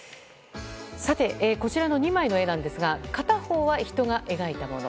こちらの２枚の絵ですが片方は人が描いたもの。